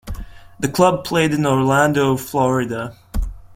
The club played in Orlando, Florida.